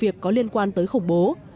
vụ việc có liên quan tới khủng bố